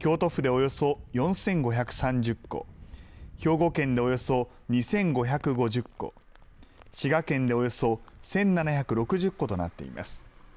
およそ４５３０戸、兵庫県でおよそ２５５０戸、滋賀県でおよそ１７６０戸となっています。